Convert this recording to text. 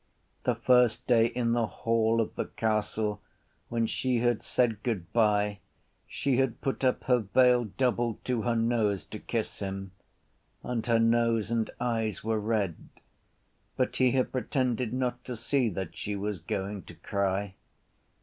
The first day in the hall of the castle when she had said goodbye she had put up her veil double to her nose to kiss him: and her nose and eyes were red. But he had pretended not to see that she was going to cry.